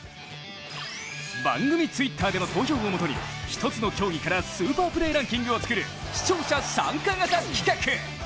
番組Ｔｗｉｔｔｅｒでの投票をもとに１つの競技からスーパープレーランキングを作る視聴者参加型企画。